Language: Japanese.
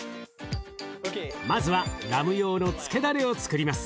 まずはラム用の漬けダレをつくります。